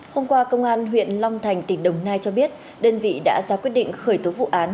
hôm qua công an huyện long thành tỉnh đồng nai cho biết đơn vị đã ra quyết định khởi tố vụ án